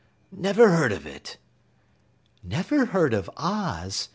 Never heard of it!" "Never heard of Oz?"